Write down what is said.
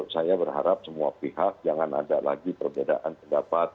saya berharap semua pihak jangan ada lagi perbedaan pendapat